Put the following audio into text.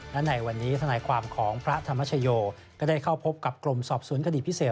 และในวันนี้ทนายความของพระธรรมชโยก็ได้เข้าพบกับกรมสอบสวนคดีพิเศษ